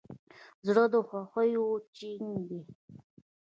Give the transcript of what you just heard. زړه د خوښیو چین دی.